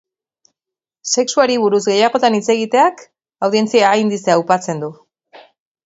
Sexuari buruz gehiagotan hitz egiteak, audientzia indizea aupatzen du.